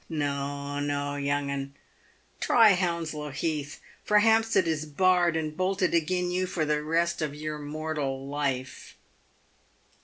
No, no, young 'un, try Hounslow Heath, for Hampstead is barred and bolted agin you for the rest of your mortal life."